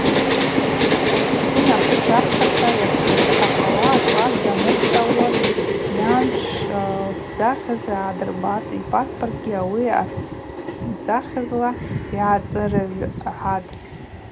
Хъвыжвчкӏвын апычӏв апхьарта йапхъахауа акласс даныцӏалуаз йан лтдзахьыз гӏадырбатӏ, йпаспортгьи ауи атдзахьызла йгӏацӏыргӏвгӏатӏ.